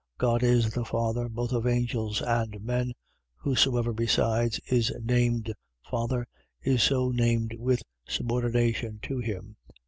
God is the Father, both of angels and men; whosoever besides is named father, is so named with subordination to him.